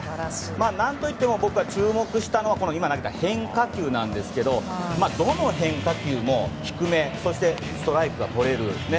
何といっても僕が注目したのは今投げた変化球ですがどの変化球も低めそしてストライクがとれる。